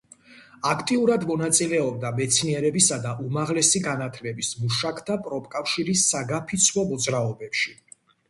აქტიურად მონაწილეობდა მეცნიერებისა და უმაღლესი განათლების მუშაკთა პროფკავშირის საგაფიცვო მოძრაობებში.